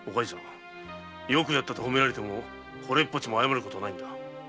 よくやったと褒められてもこれっぽっちも謝ることはない。